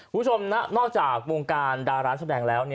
คุณผู้ชมนอกจากวงการดาราแสดงแล้ว